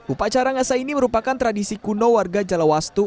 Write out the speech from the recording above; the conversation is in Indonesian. upacara ngasa ini merupakan tradisi kuno warga jalawastu